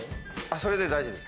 それで大丈夫です。